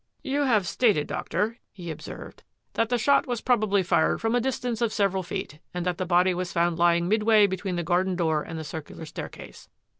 " You have stated, Doctor," he observed, " that the shot was probably fired from a distance of several feet and that the body was found lying midway between the garden door and the circular staircase.